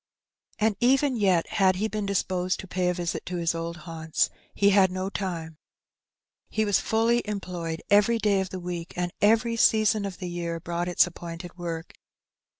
And even yet, had he been disposed to pay a visit to his old haimts, he had no time. He was fully employed every day of the week, and every season of the year brought its appointed work.